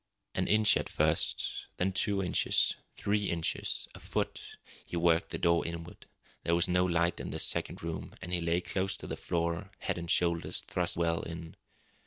An inch at first, then two inches, three inches a foot he worked the door inward. There was no light in this second room, and he lay close to the floor, head and shoulders thrust well in.